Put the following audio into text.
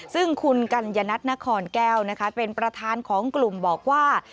ซึ่งคุณกัญญนัทนครแก้วนะคะเป็นประธานของกลุ่มบอกว่า